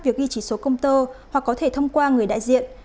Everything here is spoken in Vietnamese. việc ghi chỉ số công tơ hoặc có thể thông qua người đại diện